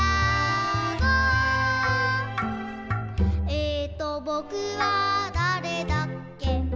「ええとぼくはだれだっけ」